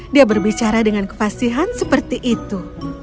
dia berbicara dengan kevasihan seperti itu